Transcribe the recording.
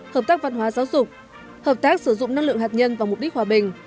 hợp tác văn hóa giáo dục hợp tác sử dụng năng lượng hạt nhân vào mục đích hòa bình